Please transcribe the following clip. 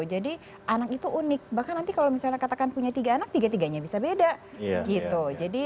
jadi anak itu unik bahkan nanti kalau misalnya katakan punya tiga anak tiga tiganya bisa beda gitu